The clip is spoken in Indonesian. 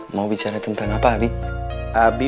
mau bicara tentang apa habib